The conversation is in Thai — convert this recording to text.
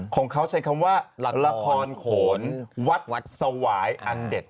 ของเขาใช้คำว่าละครโขนวัดสวายอันเด็ด